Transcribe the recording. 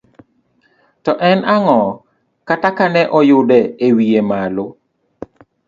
To en ang'o kata kane oyude e wiye malo?